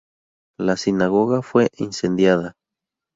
La sinagoga fue incendiada.